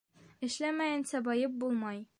Эшләмәйенсә байып булмай.